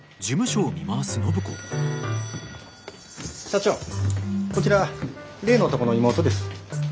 社長こちら例の男の妹です。